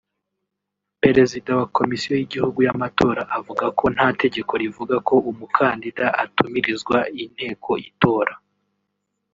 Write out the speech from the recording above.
Perezida wa Komisiyo y’igihugu y’amatora avuga ko nta tegeko rivuga ko umukandida atumirizwa inteko itora